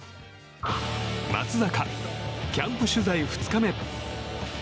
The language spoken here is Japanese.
松坂、キャンプ取材２日目。